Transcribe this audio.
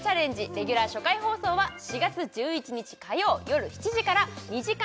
レギュラー初回放送は４月１１日火曜よる７時から２時間